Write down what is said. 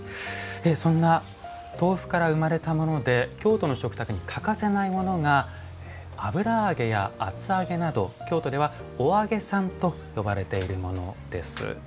そんな豆腐から生まれたもので京都の食卓に欠かせないものが油揚げや厚揚げなど京都では「お揚げさん」と呼ばれているものです。